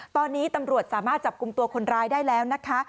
ตอนนี้ตำรวจสามารถจับกลุ่มตัวคนร้ายได้แล้วนะคะ